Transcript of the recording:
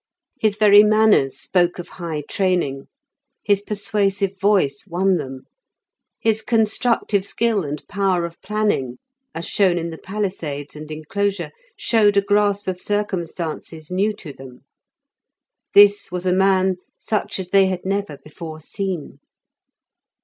His very manners spoke of high training. His persuasive voice won them. His constructive skill and power of planning, as shown in the palisades and enclosure, showed a grasp of circumstances new to them. This was a man such as they had never before seen.